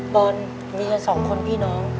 บอลมีกันสองคนพี่น้อง